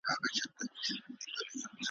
کونړ او خیبر پوري ټولو پښتنو لبیک ویلی دی ,